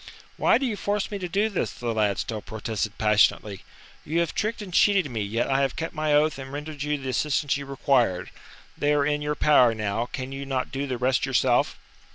"Why do you force me to do this?" the lad still protested passionately. "You have tricked and cheated me, yet I have kept my oath and rendered you the assistance you required. They are in your power now, can you not do the rest yourself?"